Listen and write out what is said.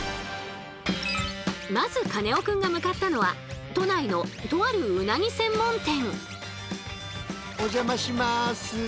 まずカネオくんが向かったのは都内のとあるうなぎ専門店。